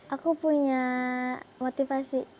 aku punya motivasi